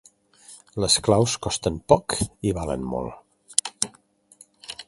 Les claus costen poc i valen molt.